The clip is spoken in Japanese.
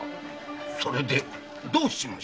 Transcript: それでどうしました？